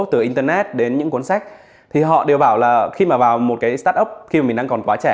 từ internet đến những cuốn sách thì họ đều bảo là khi mà vào một cái start up khi mình đang còn quá trẻ